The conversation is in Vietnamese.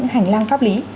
hành lang pháp lý